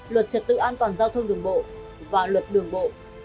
luật trật tự an toàn giao thông đường bộ và luật đường bộ